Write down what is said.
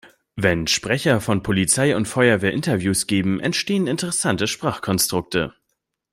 Wenn Sprecher von Polizei und Feuerwehr Interviews geben, entstehen interessante Sprachkonstrukte.